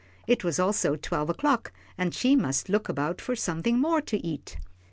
It was also twelve o'clock, and she must look about for something more to eat.